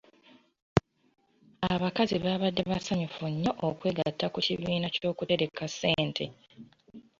Abakazi baabadde basanyufu nnyo okwegatta ku kibiina ky'okutereka ssente.